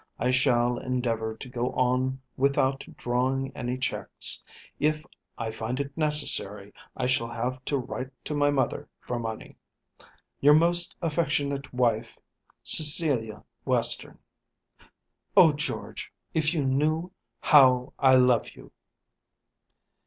I shall endeavour to go on without drawing any cheques. If I find it necessary I shall have to write to my mother for money. Your most affectionate wife, CECILIA WESTERN. Oh, George, if you knew how I love you!